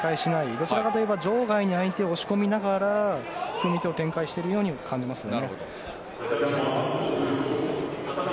どちらかというと場外に相手を押し込みながら組み手を展開しているように感じますね。